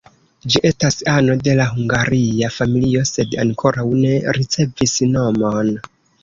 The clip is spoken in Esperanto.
Ĝi estas ano de la hungaria familio sed ankoraŭ ne ricevis nomon.